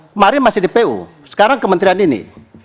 kemarin masih di pu sekarang kementerian ini